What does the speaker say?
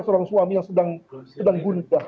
seorang suami yang sedang guncah